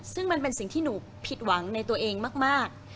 ซึ่งมันเป็นสิ่งที่หนูผิดหวังในตัวเองมาก